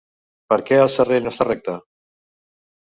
Per què el serrell no està recte?